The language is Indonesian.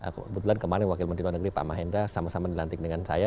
kebetulan kemarin wakil menteri luar negeri pak mahendra sama sama dilantik dengan saya